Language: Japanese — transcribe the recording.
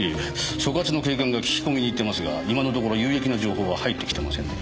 所轄の警官が聞き込みに行ってますが今のところ有益な情報は入ってきてませんね。